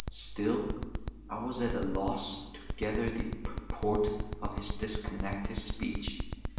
Still I was at a loss to gather the purport of his disconnected speech.